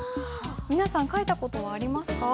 皆さん書いた事はありますか？